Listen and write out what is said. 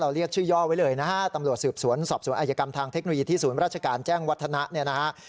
เรียกชื่อย่อไว้เลยนะฮะตำรวจสืบสวนสอบสวนอายกรรมทางเทคโนโลยีที่ศูนย์ราชการแจ้งวัฒนะเนี่ยนะฮะ